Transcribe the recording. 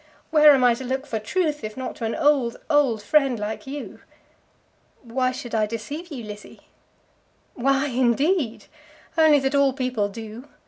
Where am I to look for truth, if not to an old, old friend like you?" "Why should I deceive you, Lizzie?" "Why, indeed? only that all people do.